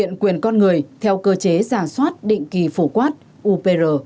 và những con người theo cơ chế giảng soát định kỳ phủ quát upr